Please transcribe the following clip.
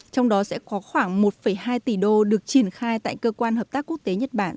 trong đó sẽ có khoảng một hai tỷ đô được triển khai tại cơ quan hợp tác quốc tế nhật bản